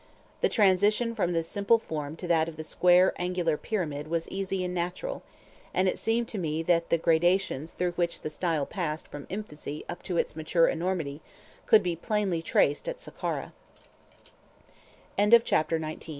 The transition from this simple form to that of the square angular pyramid was easy and natural, and it seemed to me that the gradations through which the style passed from infancy up to its mature enormity could plainly be traced at Sakkara. CHAPTER XX—THE